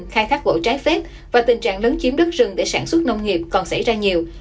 khai thác gỗ trái phép và tình trạng lấn chiếm đất rừng để sản xuất nông nghiệp còn xảy ra nhiều